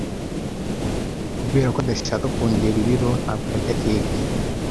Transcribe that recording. Kubera ko adashaka kongera ibiro, ntabwo arya keke.